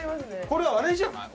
これあれじゃない？